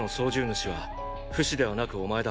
主はフシではなくお前だ。